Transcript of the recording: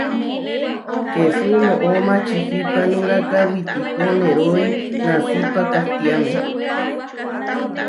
Kesú noʼó mačihipanuráka witipo neroí nasípa kahtiáme.